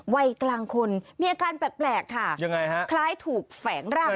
วัยกลางคนมีอาการแปลกค่าคล้ายถูกแสงรัก